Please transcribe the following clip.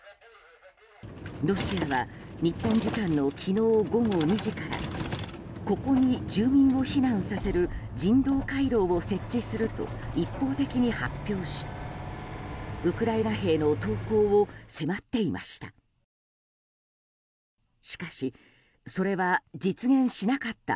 ロシアは日本時間の昨日午後２時からここに住民を避難させる人道回廊を設置すると一方的に発表しウクライナ兵の投降を迫っていました。